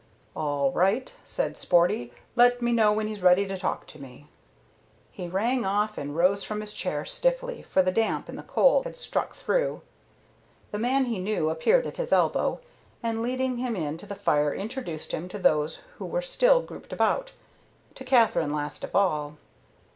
"All right," said Sporty. "Let me know when he's ready to talk to me." He rang off and rose from his chair, stiffly, for the damp and the cold had struck through. The man he knew appeared at his elbow, and leading him in to the fire introduced him to those who were still grouped about it, to Katherine last of all.